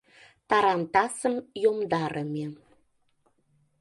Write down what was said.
Тарантасым йомдарыме.